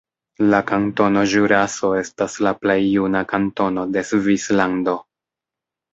La Kantono Ĵuraso estas la plej juna kantono de Svislando.